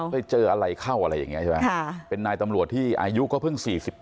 ไปเจออะไรเข้าอะไรอย่างนี้ใช่ไหมเป็นนายตำรวจที่อายุก็เพิ่ง๔๘